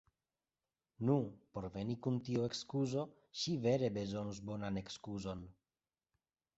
Nu, por veni kun tiu ekskuzo ŝi vere bezonus bonan ekskuzon!